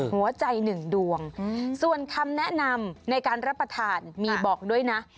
หัวใจหนึ่งดวงส่วนคำแนะนำในการรับประทานมีบอกด้วยนะ